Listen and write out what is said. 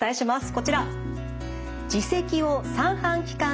こちら。